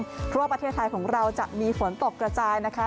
เพราะว่าประเทศไทยของเราจะมีฝนตกกระจายนะคะ